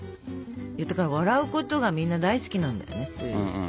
笑うことがみんな大好きなんだよね。